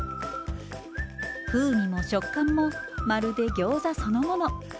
風味も食感もまるでギョーザそのもの。